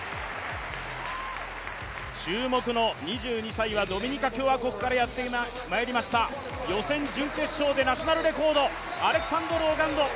注目の２２歳はドミニカ共和国からやってきました予選、準決勝でナショナルレコードアレクサンデル・オガンド。